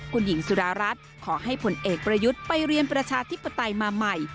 คุณหญิงสุดารัฐขอให้ผลเอกประยุทธ์ไปเรียนประชาธิปไตยมาใหม่